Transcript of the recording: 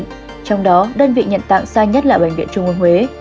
trong đó đơn vị nhận tặng xa nhất là bệnh viện trung ương huế